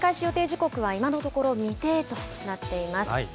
時刻は、今のところ未定となっています。